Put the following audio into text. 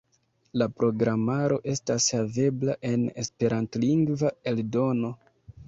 La programaro estas havebla en esperantlingva eldono.